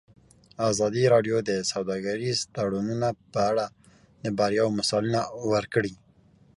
ازادي راډیو د سوداګریز تړونونه په اړه د بریاوو مثالونه ورکړي.